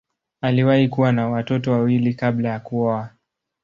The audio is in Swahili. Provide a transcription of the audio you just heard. Aliwahi kuwa na watoto wawili kabla ya kuoa.